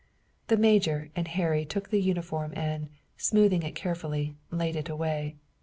The major and Harry took the uniform and, smoothing it carefully, laid it away.